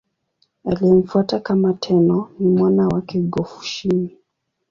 Aliyemfuata kama Tenno ni mwana wake Go-Fushimi.